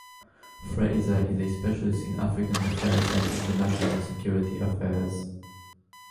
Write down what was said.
Frazer is a specialist in African Affairs and International Security Affairs.